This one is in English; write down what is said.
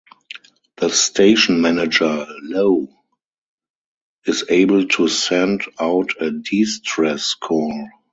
The station manager, Lowe is able to send out a distress call.